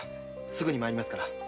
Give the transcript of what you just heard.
すぐに参りますから。